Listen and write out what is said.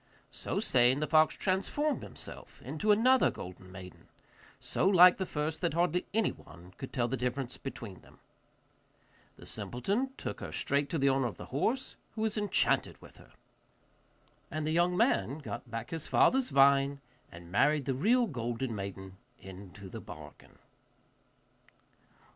So saying, the fox transformed himself into another golden maiden, so like the first that hardly anyone could tell the difference between them. The simpleton took her straight to the owner of the horse, who was enchanted with her. And the young man got back his father's vine and married the real golden maiden into the bargain.